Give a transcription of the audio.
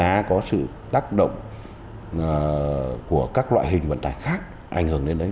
đánh giá có sự tác động của các loại hình vận tài khác ảnh hưởng đến đấy